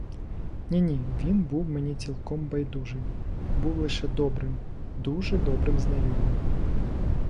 Ні, ні, він був мені цілком байдужий, був лише добрим, дуже добрим знайомим.